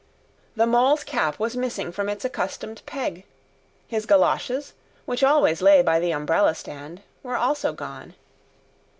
The Mole's cap was missing from its accustomed peg. His goloshes, which always lay by the umbrella stand, were also gone.